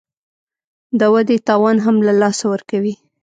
د ودې توان هم له لاسه ورکوي